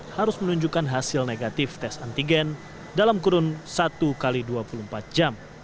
harus menunjukkan hasil negatif tes antigen dalam kurun satu x dua puluh empat jam